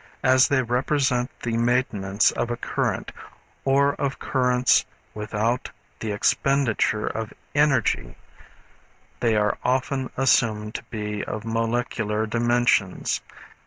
As they represent the maintenance of a current or of currents without the expenditure of energy they are often assumed to be of molecular dimensions.